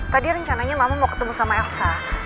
tadi rencananya mama mau ketemu sama elsa